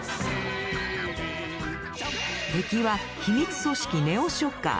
敵は秘密組織ネオショッカー。